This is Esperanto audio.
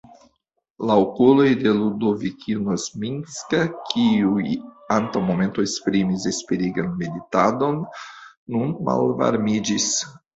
La okuloj de Ludovikino Zminska, kiuj antaŭ momento esprimis esperigan meditadon, nun malvarmiĝis.